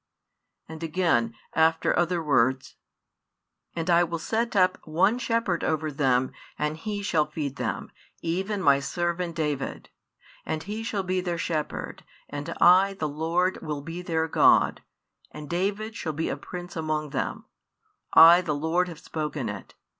And again, after other words: And I will set up One Shepherd over them, and He shall feed them, even My Servant David; and He shall be their Shepherd, and I the Lord will be their God, and David shall be a Prince among them: I the Lord have spoken it.